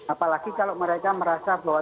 apalagi kalau mereka merasa bahwa